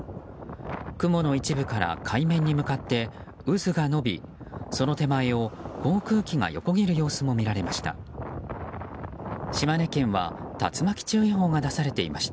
雲の一部から海面に向かって渦が延びその手前を航空機が横切る様子も見られました。